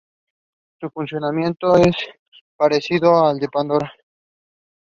Su funcionamiento es parecido al de Pandora.